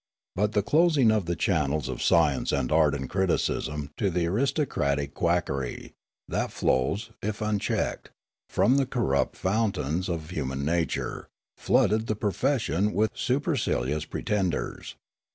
But the closing of the channels of science and art and criticism to the aristocratic quack ery, that flows, if unchecked, from the corrupt fountains of human nature, flooded the profession with super cilious pretenders.